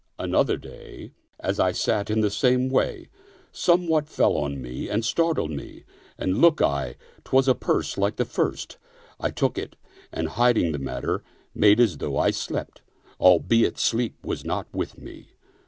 '* Another day, as I sat in the same way, somewhat fell on me and startled me, and lookye, 'twas a purse like the first : I took it and hiding the matter, made as though I slept, albeit sleep was not with me.